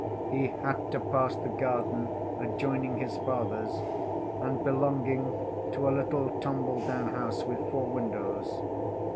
He had to pass the garden adjoining his father's, and belonging to a little tumbledown house with four windows.